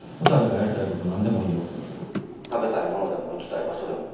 食べたいものでも行きたい場所でも。